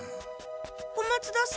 小松田さん。